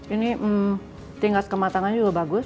ini tingkat kematangannya juga bagus